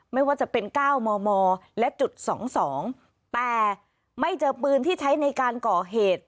ไม่ว่าจะเป็น๙มมและจุด๒๒แต่ไม่เจอปืนที่ใช้ในการก่อเหตุ